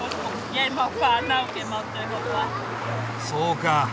そうか。